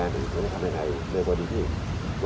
ในเรื่องของการแย้งเจ้าพี่มาคุยด้วยธรรมดา